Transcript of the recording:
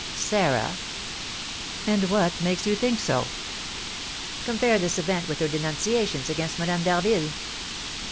"Sarah! And what makes you think so?" "Compare this event with her denunciations against Madame d'Harville."